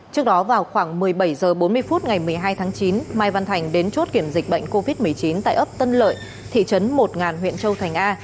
trước đó vào khoảng một mươi bảy h bốn mươi phút ngày một mươi hai tháng chín mai văn thành đến chốt kiểm dịch bệnh covid một mươi chín tại ấp tân lợi thị trấn một huyện châu thành a